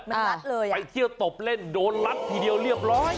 มันรัดเลยอ่ะไปเที่ยวตบเล่นโดนรัดทีเดียวเรียบร้อย